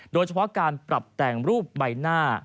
โดยเฉพาะการปรับแต่งรูปใบหน้า